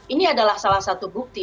ini adalah salah satu bukti